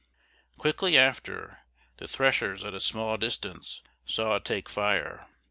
Quickly after, the thrashers at a small distance saw it take fire!